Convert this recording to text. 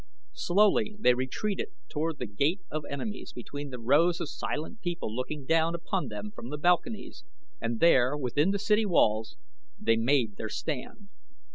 Slowly they retreated toward The Gate of Enemies between the rows of silent people looking down upon them from the balconies and there, within the city walls, they made their stand.